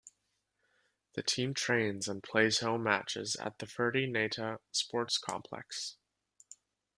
The team trains and plays home matches at the Ferdi Neita Sports Complex.